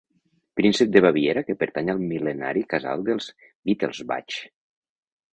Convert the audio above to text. Príncep de Baviera que pertany al mil·lenari Casal dels Wittelsbach.